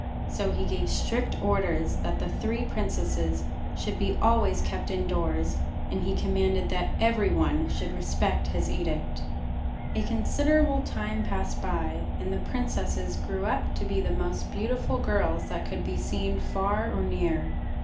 So he gave strict orders that the three princesses should be always kept indoors, and he commanded that every one should respect his edict. A considerable time passed by, and the princesses grew up to be the most beautiful girls that could be seen far or near.